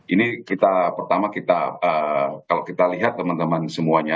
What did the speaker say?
ini kita pertama kita kalau kita lihat teman teman semuanya